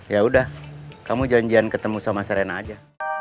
ya udah kamu janjian ketemu sama serena aja